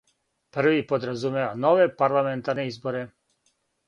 Први подразумева нове парламентарне изборе.